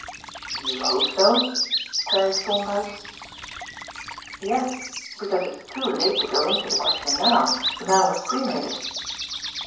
"You hope so?" queried Thorndyke. "Yes. Because it's too late to go into the question now. The man was cremated."